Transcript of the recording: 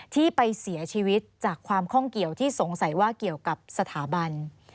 ที่ไปเสียชีวิตจากความข้องเกี่ยวที่สงสัยว่าเกี่ยวกับสถาบัน